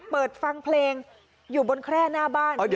เปิดฟังเพลงอยู่บนแคร่หน้าบ้าน